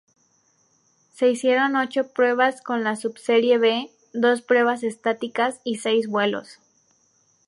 Se hicieron ocho pruebas con la subserie B, dos pruebas estáticas y seis vuelos.